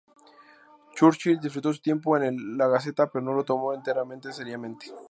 Churchill disfrutó su tiempo en la "Gaceta" pero no lo tomó enteramente seriamente.